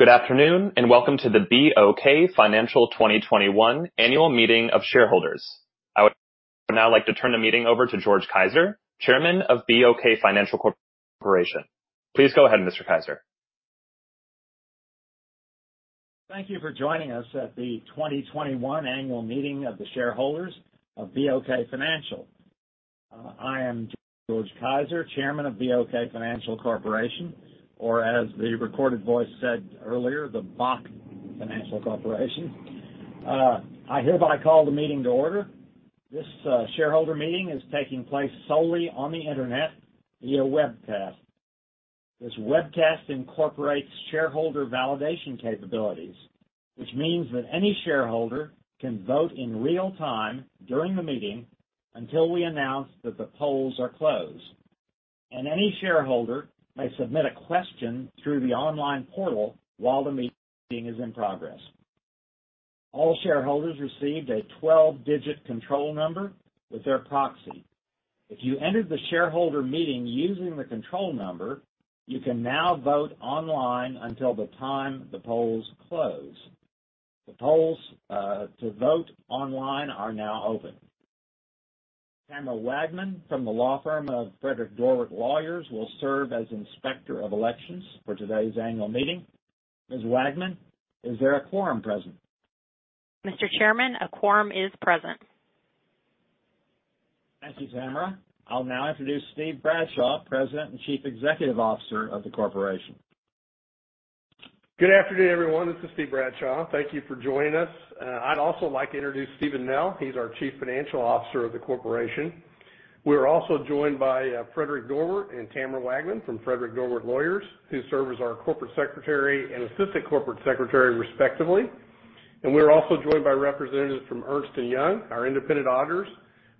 Good afternoon, welcome to the BOK Financial 2021 Annual Meeting of Shareholders. I would now like to turn the meeting over to George Kaiser, Chairman of BOK Financial Corporation. Please go ahead, Mr. Kaiser. Thank you for joining us at the 2021 Annual Meeting of the shareholders of BOK Financial. I am George Kaiser, Chairman of BOK Financial Corporation, or as the recorded voice said earlier, the BOK Financial Corporation. I hereby call the meeting to order. This shareholder meeting is taking place solely on the internet via webcast. This webcast incorporates shareholder validation capabilities, which means that any shareholder can vote in real time during the meeting until we announce that the polls are closed, and any shareholder may submit a question through the online portal while the meeting is in progress. All shareholders received a 12-digit control number with their proxy. If you entered the shareholder meeting using the control number, you can now vote online until the time the polls close. The polls to vote online are now open. Tamara Wagman from the law firm of Frederic Dorwart Lawyers will serve as Inspector of Elections for today's annual meeting. Ms. Wagman, is there a quorum present? Mr. Chairman, a quorum is present. Thank you, Tamara. I'll now introduce Steve Bradshaw, President and Chief Executive Officer of the corporation. Good afternoon, everyone. This is Steve Bradshaw. Thank you for joining us. I'd also like to introduce Steven Nell. He's our Chief Financial Officer of the corporation. We are also joined by Frederic Dorwart and Tamara Wagman from Frederic Dorwart Lawyers, who serve as our Corporate Secretary and Assistant Corporate Secretary respectively. We are also joined by representatives from Ernst & Young, our independent auditors,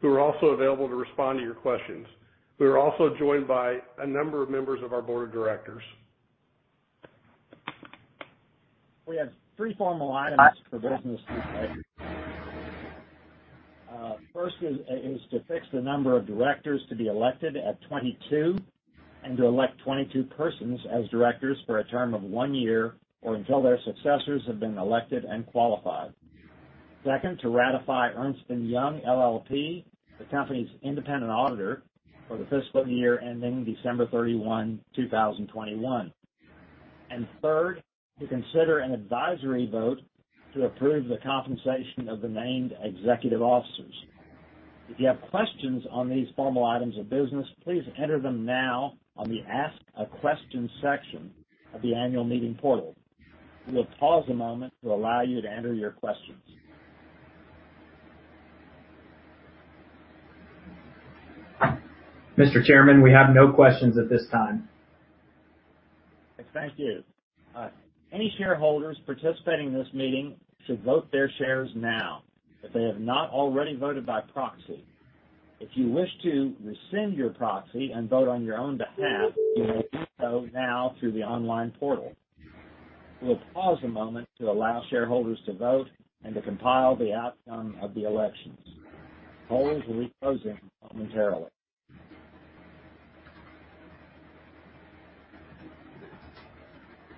who are also available to respond to your questions. We are also joined by a number of members of our Board of Directors. We have three formal items of business this year. First is to fix the number of Directors to be elected at 22, and to elect 22 persons as Directors for a term of one year or until their successors have been elected and qualified. Second, to ratify Ernst & Young LLP, the company's independent auditor, for the fiscal year ending December 31, 2021. Third, to consider an advisory vote to approve the compensation of the named executive officers. If you have questions on these formal items of business, please enter them now on the Ask a Question section of the annual meeting portal. We will pause a moment to allow you to enter your questions. Mr. Chairman, we have no questions at this time. Thank you. Any shareholders participating in this meeting should vote their shares now if they have not already voted by proxy. If you wish to rescind your proxy and vote on your own behalf, you may do so now through the online portal. We'll pause a moment to allow shareholders to vote and to compile the outcome of the elections. Polls will be closing momentarily.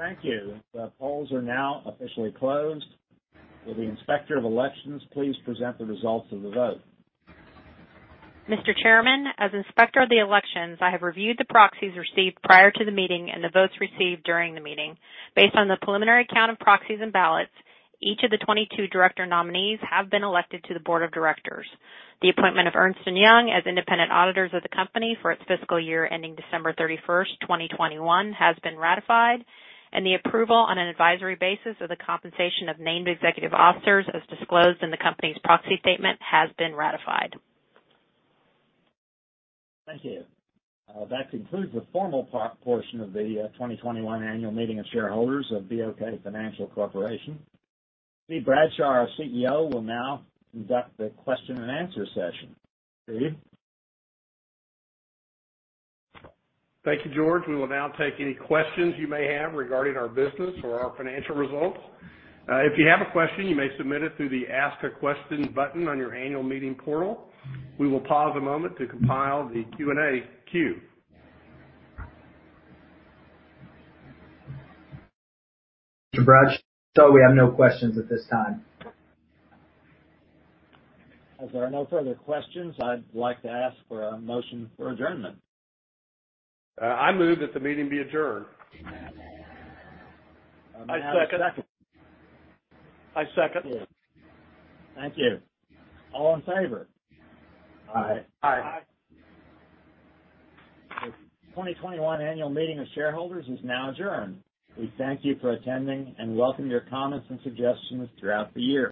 Thank you. The polls are now officially closed. Will the Inspector of Elections please present the results of the vote? Mr. Chairman, as Inspector of the Elections, I have reviewed the proxies received prior to the meeting and the votes received during the meeting. Based on the preliminary count of proxies and ballots, each of the 22 Director nominees have been elected to the Board of Directors. The appointment of Ernst & Young as independent auditors of the company for its fiscal year ending December 31st, 2021, has been ratified, and the approval on an advisory basis of the compensation of named executive officers, as disclosed in the company's proxy statement, has been ratified. Thank you. That concludes the formal portion of the 2021 annual meeting of shareholders of BOK Financial Corporation. Steve Bradshaw, our CEO, will now conduct the question and answer session. Steve? Thank you, George. We will now take any questions you may have regarding our business or our financial results. If you have a question, you may submit it through the Ask a Question button on your annual meeting portal. We will pause a moment to compile the Q&A queue. Mr. Bradshaw, we have no questions at this time. As there are no further questions, I'd like to ask for a motion for adjournment. I move that the meeting be adjourned. I second. I second it. Thank you. All in favor? Aye. Aye. The 2021 Annual Meeting of Shareholders is now adjourned. We thank you for attending and welcome your comments and suggestions throughout the year.